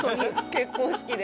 結婚式で？